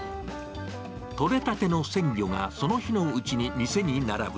取れたての鮮魚がその日のうちに店に並ぶ。